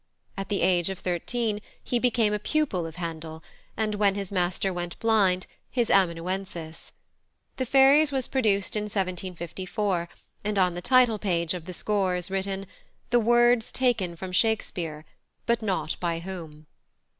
At the age of thirteen he became a pupil of Handel, and, when his master went blind, his amanuensis. The Fairies was produced in 1754, and on the title page of the score is written, "the words taken from Shakespeare," but not by whom.